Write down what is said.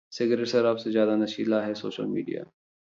सिगरेट-शराब से ज्यादा नशीला है सोशल मीडिया